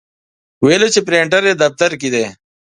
ویل یې چې پرنټر یې دفتر کې دی.